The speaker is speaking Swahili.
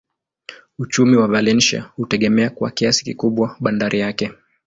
Uchumi wa Valencia hutegemea kwa kiasi kikubwa bandari yake.